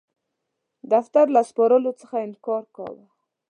دفتر له سپارلو څخه انکار کاوه.